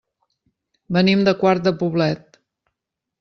Venim de Quart de Poblet.